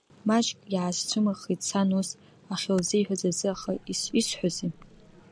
Маҷк иаасцәымыӷхеит сан ус ахьылзиҳәаз азы, аха исҳәозеи.